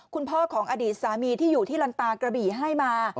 คุณพ่อของอดีตสามีที่อยู่ที่ลันตากระบี่ให้มา